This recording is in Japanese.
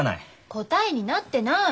答えになってない。